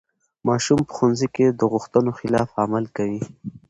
ماشوم په ښوونځي کې د غوښتنو خلاف عمل کوي.